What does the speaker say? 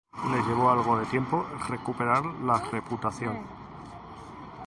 Le llevó algo de tiempo recuperar la reputación.